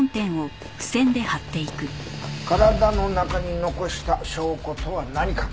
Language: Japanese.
体の中に残した証拠とは何か？